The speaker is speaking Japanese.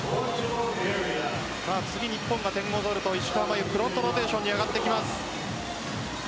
次、日本が点を取ると石川真佑フロントローテーションに上がってきます。